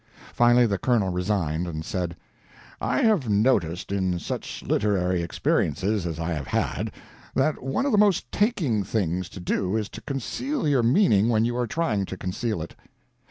Finally the Colonel resigned, and said: "I have noticed, in such literary experiences as I have had, that one of the most taking things to do is to conceal your meaning when you are trying to conceal it.